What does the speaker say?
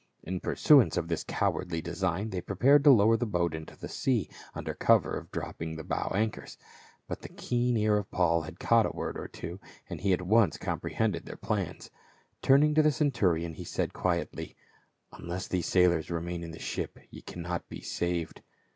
In pursuance of this cowardly design they prepared to lower the boat into the sea, under cover of drop ping the bow anchors. But the keen ear of Paul had caught a word or two, and he at once comprehended their plans. Turning to the centurion he said quietly, " Unless these sailors remain in the ship, ye cannot be saved."